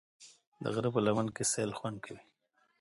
د غره په لمن کې سیل خوند کوي.